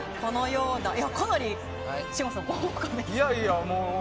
かなり信五さん、豪華ですね。